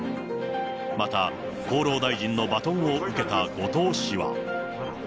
また、厚労大臣のバトンを受けた後藤氏は。